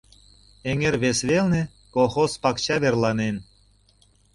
Эҥер вес велне колхоз пакча верланен.